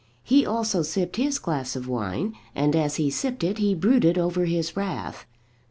He also sipped his glass of wine, and as he sipped it he brooded over his wrath.